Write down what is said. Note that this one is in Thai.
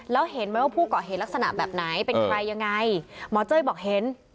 แล้วเห็นไหมว่าผู้ก่อเหตุลักษณะแบบไหนเป็นใครยังไงหมอเจ้ยบอกเห็น